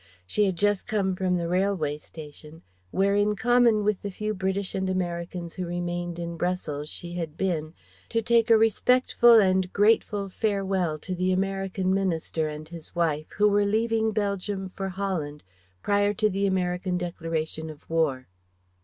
She had just come from the railway station, where in common with the few British and Americans who remained in Brussels she had been to take a respectful and grateful farewell of the American Minister and his wife, who were leaving Belgium for Holland, prior to the American declaration of war.